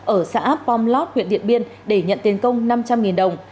ở xã pomlot huyện điện biên để nhận tiền công năm trăm linh đồng